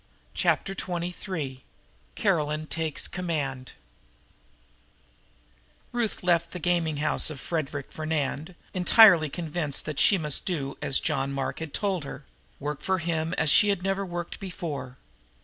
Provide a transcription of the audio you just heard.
Chapter Twenty three Caroline takes Command Ruth left the gaming house of Frederic Fernand entirely convinced that she must do as John Mark had told her work for him as she had never worked before.